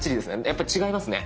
やっぱり違いますね。